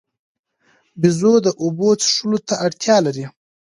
بیزو د اوبو څښلو ته اړتیا لري.